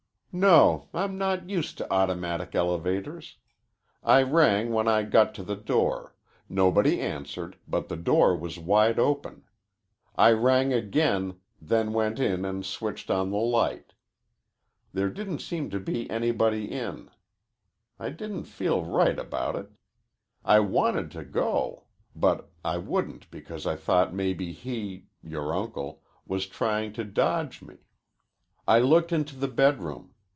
"No. I'm not used to automatic elevators. I rang when I got to the door. Nobody answered, but the door was wide open. I rang again, then went in and switched on the light. There didn't seem to be anybody in. I didn't feel right about it. I wanted to go. But I wouldn't because I thought maybe he your uncle was trying to dodge me. I looked into the bedroom.